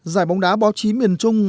giải bóng đá báo chí miền trung